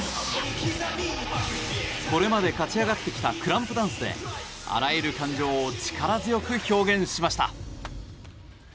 これまで勝ち上がってきたクランプダンスであらゆる感情を力強く表現しました。